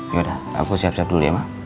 ya udah aku siap siap dulu ya ma